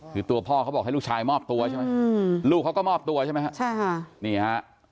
คือตัวพ่อเขาบอกให้ลูกชายมอบตัวใช่ไหมลูกเขาก็มอบตัวใช่ไหมฮะใช่ค่ะนี่ฮะ